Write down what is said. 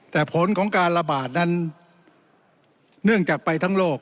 แต่ผลของการระบาดนั้นเนื่องจากไปทั้งโลก